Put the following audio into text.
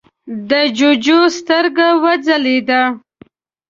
د جُوجُو سترګه وځلېده: